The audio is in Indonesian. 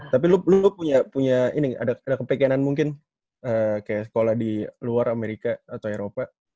tapi lu punya punya ini ada kepekenan mungkin kayak sekolah di luar amerika atau eropa